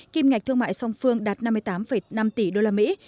kim ngạch thương mại song phương đạt năm mươi tám năm tỷ đô la mỹ